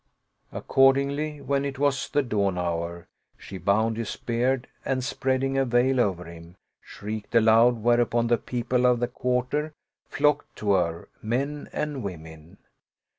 Accord ingly, when it was the dawn hour, she bound his beard and spreading a veil over him, shrieked aloud, whereupon the people of the quarter flocked to her, men and women.